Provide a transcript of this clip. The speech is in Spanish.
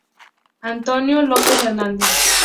Antonio López Hernández